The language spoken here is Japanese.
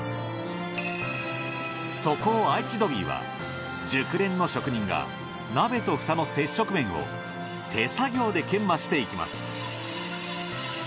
そこを愛知ドビーは熟練の職人が鍋とフタの接触面を手作業で研磨していきます。